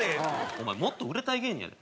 お前もっと売れたい芸人やで？